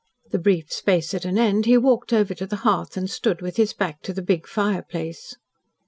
The brief space at an end, he walked over to the hearth and stood with his back to the big fireplace.